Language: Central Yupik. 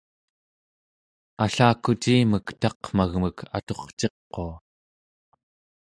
allakucimek taqmagmek aturciqua